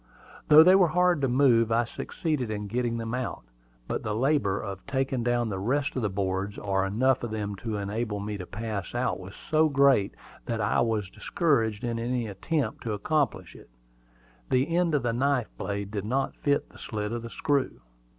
Though they were hard to move, I succeeded in getting them out. But the labor of taking down the rest of the boards, or enough of them to enable me to pass out, was so great that I was discouraged in the attempt to accomplish it. The end of the knife blade did not fit the slit of the screw.